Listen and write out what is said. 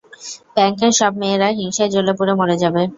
ব্যাংকের সব মেয়েরা হিংসায় জ্বলে-পুড়ে মরে যাবে!